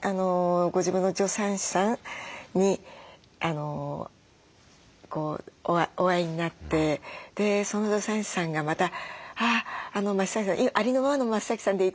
ご自分の助産師さんにお会いになってその助産師さんがまた「ありのままの増さんでいて。